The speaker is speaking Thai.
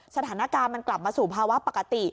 สถานการณ์มันกลับมาสู่ภาวะปกติ